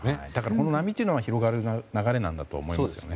この波が広がる流れなんだと思いますね。